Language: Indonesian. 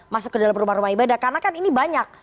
masuk ke dalam rumah rumah ibadah karena kan ini banyak